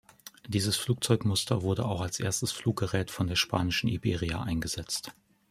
Dieses Flugzeugmuster wurde auch als erstes Fluggerät von der spanischen Iberia eingesetzt.